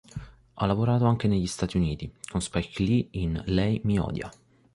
Ha lavorato anche negli Stati Uniti, con Spike Lee in "Lei mi odia".